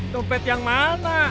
dompet yang mana